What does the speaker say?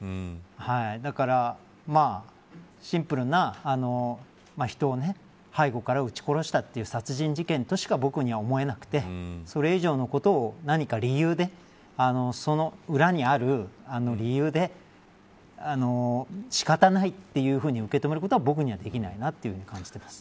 だから、シンプルな人を背後から撃ち殺したという殺人事件としか僕には思えなくてそれ以上のことを何か理由でその裏にある理由で仕方ないというふうに受け止めることは僕にはできないなと感じています。